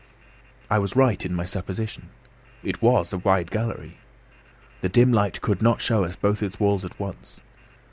I was right in my supposition. It was a wide gallery. The dim light could not show us both its walls at once.